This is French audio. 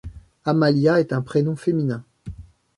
Amalia est un prénom féminin.